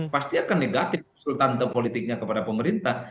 pasti akan negatif sultan dan politiknya kepada pemerintah